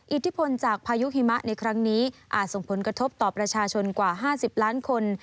อิทธิพลจากพายุหิมะในครั้งนี้อาจส่งผลกระทบต่อประชาชนกว่า๕๐ล้านคน